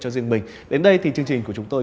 cho riêng mình đến đây thì chương trình của chúng tôi